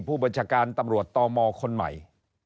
ผู้บัญชาการตำรวจตมคนใหม่